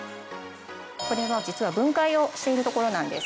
これは実は分解をしているところなんです。